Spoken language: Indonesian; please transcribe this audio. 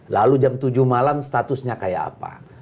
lalu jam tujuh malam statusnya kayak apa